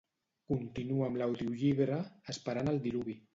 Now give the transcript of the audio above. Continua amb l'audiollibre "Esperant el diluvi".